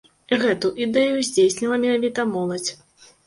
Гэту ідэю здзейсніла менавіта моладзь.